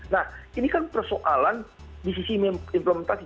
nah ini kan persoalan di sisi implementasi